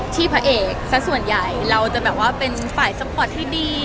พระเอกสักส่วนใหญ่เราจะแบบว่าเป็นฝ่ายสปอร์ตที่ดี